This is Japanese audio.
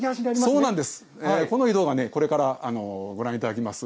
この井戸がこれからご覧いただきます